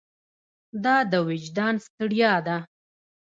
دا د وجدان ستړیا ده.